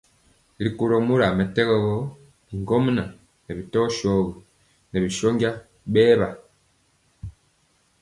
Rikólo mora mɛtɛgɔ gɔ bigɔmŋa ŋɛɛ bi tɔ shogi ŋɛɛ bi shónja bɛɛwa bɛnja.